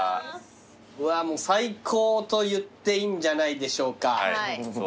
うわもう最高と言っていいんじゃないでしょうか。